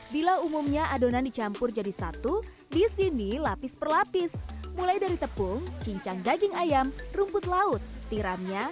bila umumnya adonan dicampur jadi satu disini lapis per lapis mulai dari tepung cincang daging ayam rumput laut tiramnya